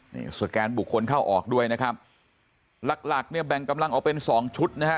นี่สแกนบุคคลเข้าออกด้วยนะครับหลักหลักเนี่ยแบ่งกำลังออกเป็นสองชุดนะฮะ